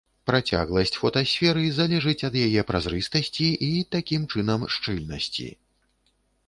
Працягласць фотасферы залежыць ад яе празрыстасці і, такім чынам, шчыльнасці.